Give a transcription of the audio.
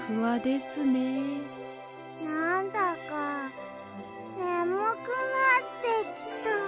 なんだかねむくなってきた。